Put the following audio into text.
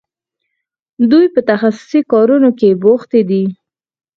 دوی په تخصصي کارونو کې بوختې دي.